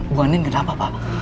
bu andin kenapa pak